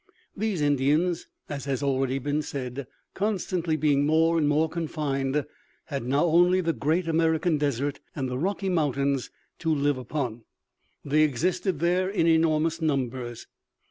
These Indians, as has already been said, constantly being more and more confined, had now only the great American desert and the Rocky Mountains to live upon. They existed there in enormous numbers.